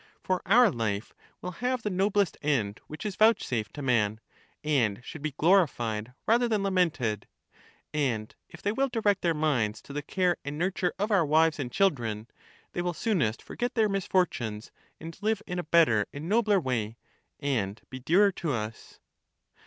For our life will have the noblest end which is vouchsafed to man, and should be glorified rather than lamented. And if they will direct their minds to the care and nurture of our wives and children, they will soonest forget their misfortunes, and live in a better and nobler way, and be dearer to us.